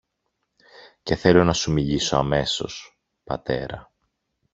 Και θέλω να σου μιλήσω αμέσως, πατέρα.